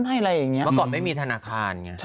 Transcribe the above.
ว่าก่อนไม่มีธนาคาร